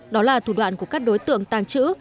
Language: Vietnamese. đó là thủ đoạn của các đối tượng tàng trữ